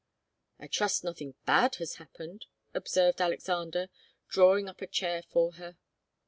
"I trust nothing bad has happened," observed Alexander, drawing up a chair for her.